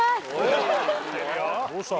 どうした？